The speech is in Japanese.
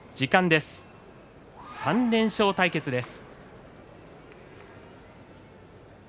３連勝対決です。